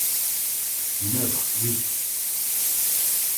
Une oeuvre, oui!